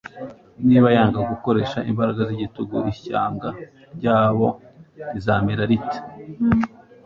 Niba yanga gukoresha imbaraga z'igitugu ishyanga ryabo rizamera rite?